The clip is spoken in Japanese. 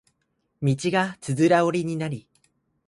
道がつづら折りになり